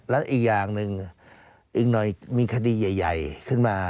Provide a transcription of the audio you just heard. และอีกอย่างหนึ่งอีกหน่อยมีคดีใหญ่ขึ้นมา